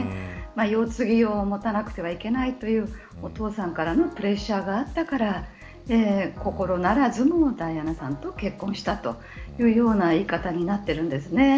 世継ぎを持たなくてはいけないというお父さんからのプレッシャーがあったから心ならずもダイアナさんと結婚したというような言い方になっているんですね。